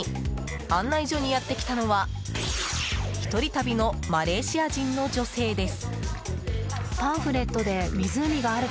案内所にやってきたのは１人旅のマレーシア人の女性です。